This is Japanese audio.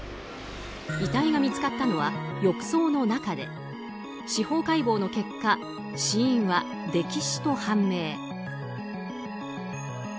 遺体が見つかったのは浴槽の中で司法解剖の結果死因は溺死と判明。